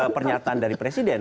pernyataan dari presiden